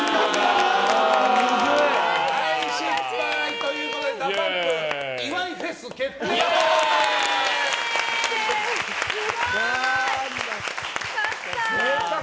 失敗ということでＤＡＰＵＭＰ岩井フェス決定です。